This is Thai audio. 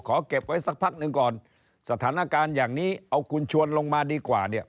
เก็บไว้สักพักหนึ่งก่อนสถานการณ์อย่างนี้เอาคุณชวนลงมาดีกว่าเนี่ย